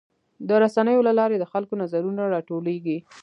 د رسنیو له لارې د خلکو نظرونه راټولیږي.